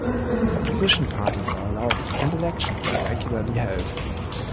Opposition parties are allowed and elections are regularly held.